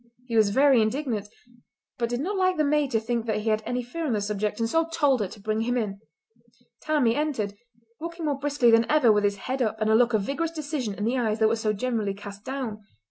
He was very indignant, but did not like the maid to think that he had any fear on the subject, and so told her to bring him in. Tammie entered, walking more briskly than ever with his head up and a look of vigorous decision in the eyes that were so generally cast down.